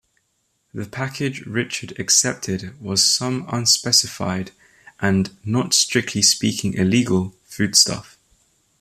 The package Richard accepted was some unspecified, and "not strictly speaking illegal" foodstuff.